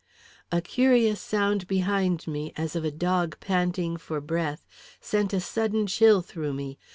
A curious sound behind me, as of a dog panting for breath, sent a sudden chill through me.